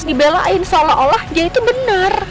dibelain seolah olah dia itu benar